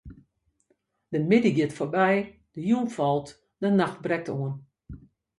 De middei giet foarby, de jûn falt, de nacht brekt oan.